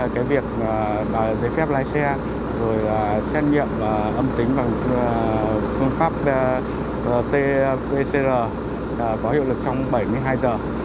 giấy phép lái xe xe nghiệm âm tính bằng phương pháp tpcr có hiệu lực trong bảy mươi hai giờ